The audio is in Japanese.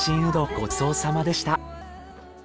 ごちそうさまでした。